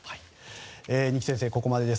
二木先生、ここまでです。